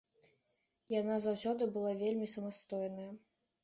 Яна заўсёды была вельмі самастойнай.